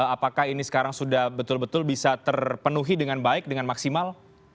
apakah ini sekarang sudah betul betul bisa terpenuhi dengan baik dengan maksimal